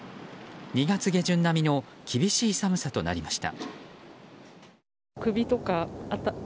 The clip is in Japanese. ２月下旬並みの厳しい寒さとなりました。